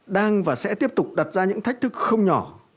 đang và sẽ tiếp tục đặt ra những thách thức không nhỏ